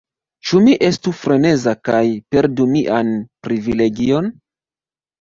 Ĉu mi estu freneza kaj perdu mian privilegion?